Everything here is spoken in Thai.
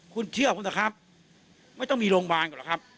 คุณเชื่อผมเถอะครับไม่ต้องมีโรงพยาบาลก่อนหรอกครับ